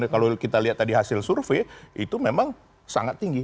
karena tadi hasil survei itu memang sangat tinggi